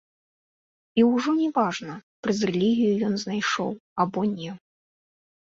І ужо не важна, праз рэлігію ён знайшоў або не.